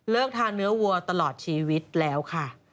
ทานเนื้อวัวตลอดชีวิตแล้วค่ะ